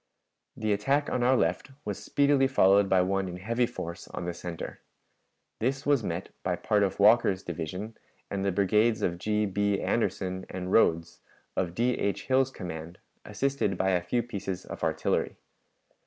The attack on our left was speedily followed by one in heavy force on the center. This was met by part of Walker's division and the brigades of G. B. Anderson and Rodes, of D. H. Hill's command, assisted by a few pieces of artillery.